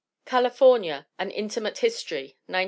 California An Intimate History, 1914.